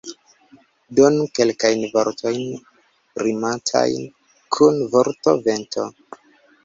Donu kelkajn vortojn rimantajn kun vorto vento.